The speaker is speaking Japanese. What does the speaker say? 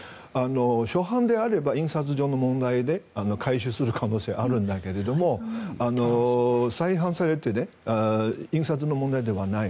初版であれば、印刷上の問題で回収する可能性はあるんですが再版されて印刷の問題ではない。